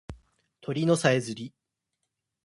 鳥のさえずり